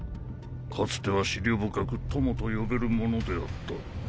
かつては思慮深く友と呼べる者であった。